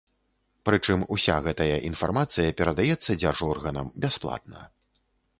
Прычым уся гэтая інфармацыя перадаецца дзяржорганам бясплатна.